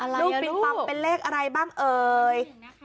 ลุงปิงปังเป็นเลขอะไรบ้างเอ่ย